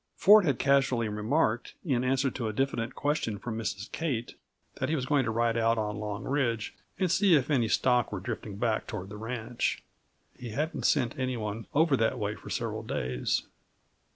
Ford had casually remarked, in answer to a diffident question from Mrs. Kate, that he was going to ride out on Long Ridge and see if any stock was drifting back toward the ranch. He hadn't sent any one over that way for several days.